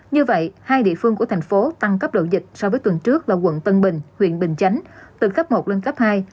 như vậy hai địa phương của thành phố tăng cấp độ dịch so với tuần trước là quận tân bình huyện bình chánh từ cấp một lên cấp hai